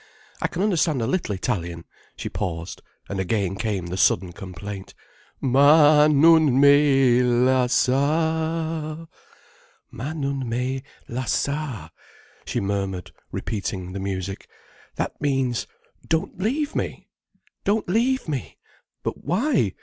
I can understand a little Italian—" She paused. And again came the sudden complaint: Ma nun me lasciar'— "Ma nun me lasciar'—!" she murmured, repeating the music. "That means—Don't leave me! Don't leave me! But why?